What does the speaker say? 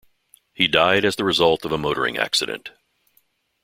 He died as the result of a motoring accident.